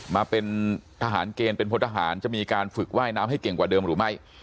มาเป็นทหารเกณฑ์เป็นพลทหารจะมีการฝึกว่ายน้ำให้เก่งกว่าเดิมหรือไม่